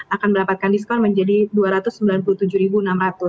akan mendapatkan diskon menjadi rp dua ratus sembilan puluh tujuh enam ratus